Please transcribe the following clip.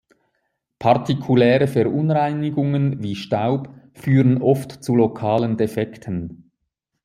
Partikuläre Verunreinigungen wie Staub führen oft zu lokalen Defekten.